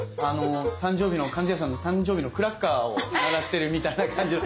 貫地谷さんの誕生日のクラッカーを鳴らしてるみたいな感じの。